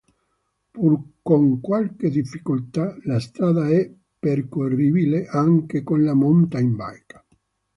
Pur con qualche difficoltà, la strada è percorribile anche con la mountain bike.